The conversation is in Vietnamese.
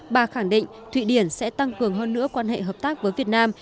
bà khẳng định thụy điển sẽ tăng cường hơn nữa quan hệ hợp tác với việt nam